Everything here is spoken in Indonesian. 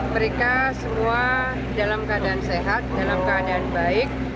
mereka semua dalam keadaan sehat dalam keadaan baik